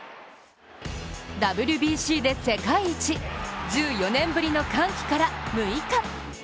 ＷＢＣで世界一、１４年ぶりの歓喜から６日。